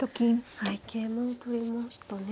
桂馬を取りましたね。